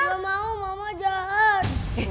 mama mama jahat